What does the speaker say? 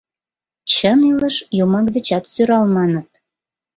Чын илыш йомак дечат сӧрал, маныт.